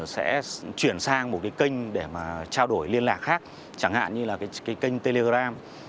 sẽ chuyển sang một cái kênh để mà trao đổi liên lạc khác chẳng hạn như là cái kênh telegram